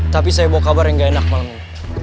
tapi saya bawa kabar yang gak enak malam ini